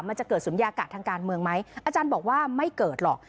มันจะเกิดศูนยากาศทางการเมืองไหมอาจารย์บอกว่าไม่เกิดหรอก